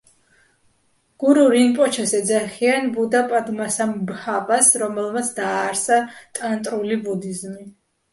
გურუ რინპოჩეს ეძახიან ბუდა პადმასამბჰავას, რომელმაც დააარსა ტანტრული ბუდიზმი.